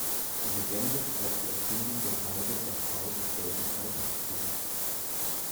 Die Legende schreibt die Erfindung der Seide der Frau des Gelben Kaisers zu.